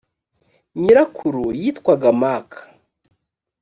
nyirakuru yitwaga maka